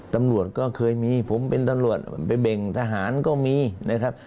ตำรวจก็เคยมีผมเป็นตำรวจไปเบ่งทหารก็มีนะครับ